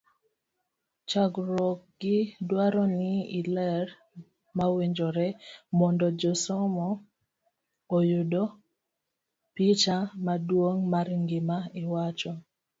chakruogi dwaro ni iler mawinjore mondo jasomo oyud picha maduong' mar gima iwacho.